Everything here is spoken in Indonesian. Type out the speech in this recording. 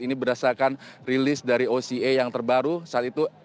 ini berdasarkan rilis dari oca yang terbaru saat itu